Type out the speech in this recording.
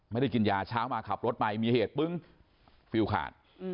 ไม่ได้กินยาเช้ามาขับรถไปมีเหตุปึ้งฟิลขาด